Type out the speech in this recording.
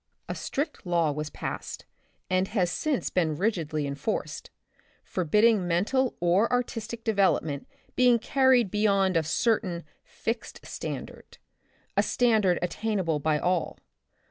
A strict law was passed, and has since been rigidly enforced, forbidding mental or artistic development being carried beyond a certain fixed standard, a standard attainable by all.